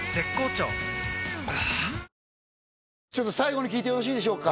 はぁちょっと最後に聞いてよろしいでしょうか？